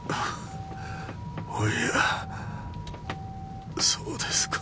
おやそうですか。